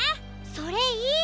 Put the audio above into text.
それいい！